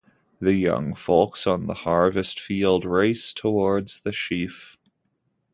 The young folks on the harvest-field race towards the sheaf.